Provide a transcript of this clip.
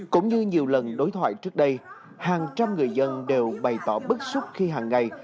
cũng như nhiều lần đối thoại trước đây hàng trăm người dân đều bày tỏ bức xúc khi hàng ngày